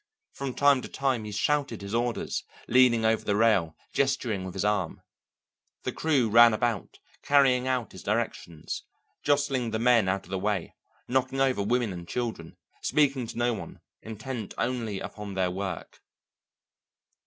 From time to time he shouted his orders, leaning over the rail, gesturing with his arm. The crew ran about, carrying out his directions, jostling the men out of the way, knocking over women and children, speaking to no one, intent only upon their work.